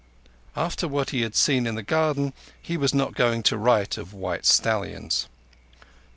_" After what he had seen in the garden, he was not going to write of white stallions.